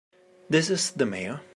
This is the Mayor.